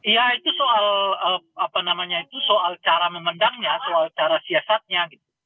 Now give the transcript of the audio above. ya itu soal apa namanya itu soal cara memendangnya soal cara siasatnya gitu